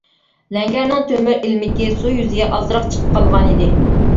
لەڭگەرنىڭ تۆمۈر ئىلمىكى سۇ يۈزىگە ئازراق چىقىپ قالغانىدى.